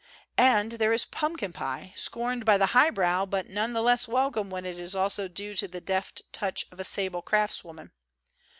And there is punkin pie, scorned by the highbrow but none the less welcome when it also is due to the deft touch of a sable crafts woman.